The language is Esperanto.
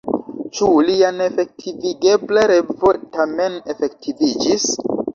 Ĉu lia neefektivigebla revo tamen efektiviĝis?